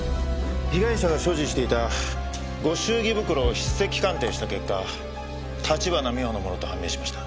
被害者が所持していたご祝儀袋を筆跡鑑定した結果立花美穂のものと判明しました。